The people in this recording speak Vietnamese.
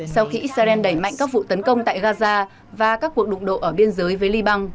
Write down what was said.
sau khi israel đẩy mạnh các vụ tấn công tại gaza và các cuộc đụng độ ở biên giới với liban cũng leo thang